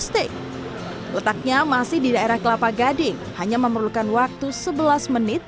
steak letaknya masih di daerah kelapa gading hanya memerlukan waktu sebelas menit